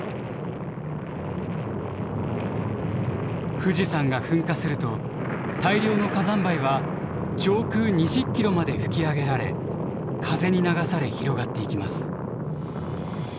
富士山が噴火すると大量の火山灰は上空２０ｋｍまで噴き上げられ風に流され広がっていきます。